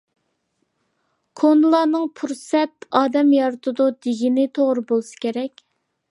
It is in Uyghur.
كونىلارنىڭ «پۇرسەت ئادەم يارىتىدۇ» دېگىنى توغرا بولسا كېرەك.